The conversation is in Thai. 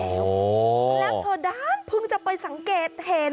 แล้วเธอด้านเพิ่งจะไปสังเกตเห็น